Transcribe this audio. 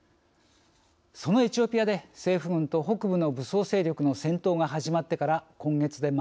そのエチオピアで政府軍と北部の武装勢力の戦闘が始まってから今月で丸１年。